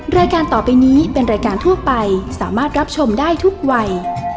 รายการต่อไปนี้เป็นรายการทั่วไปสามารถรับชมได้ทุกวัย